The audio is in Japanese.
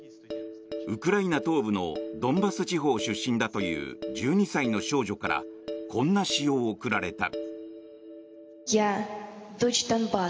ウクライナ東部のドンバス地方出身だという１２歳の少女からこんな詩を贈られた。